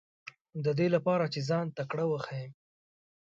دې لپاره چې ځان تکړه وښیم.